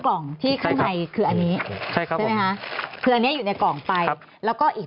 กล่องที่ข้างในคืออันนี้คืออันนี้อยู่ในกล่องไปแล้วก็อีก